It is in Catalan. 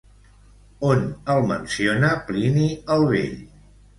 On el menciona Plini el Vell?